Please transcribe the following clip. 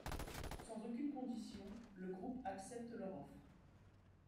Sans aucune condition, le groupe accepte leur offre.